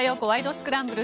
スクランブル」。